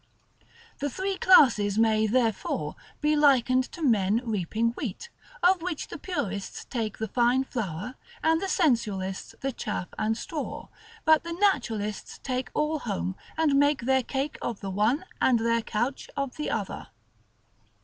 The three classes may, therefore, be likened to men reaping wheat, of which the Purists take the fine flour, and the Sensualists the chaff and straw, but the Naturalists take all home, and make their cake of the one, and their couch of the other.